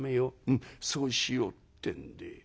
「うんそうしよう」ってんで。